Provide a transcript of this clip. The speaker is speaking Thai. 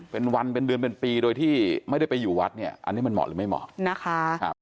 เป็นวันเป็นเดือนเป็นปีโดยที่ไม่ได้ไปอยู่วัดเนี่ยอันนี้มันเหมาะหรือไม่เหมาะนะคะ